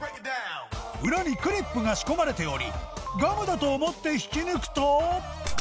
裏にクリップが仕込まれておりガムだと思って引き抜くと